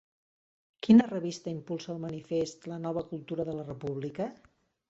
Quina revista impulsa el manifest 'La nova cultura per la república'?